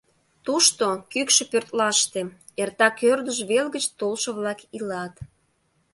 Тушто, кӱкшӧ пӧртлаште, эртак ӧрдыж вел гыч толшо-влак илат.